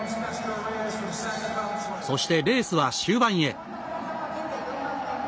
そして、レースは終盤へ。